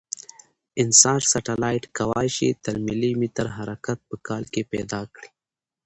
انسار سټلایټ کوای شي تر ملي متر حرکت په کال کې پیدا کړي